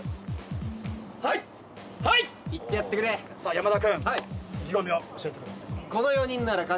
山田君意気込みを教えてください。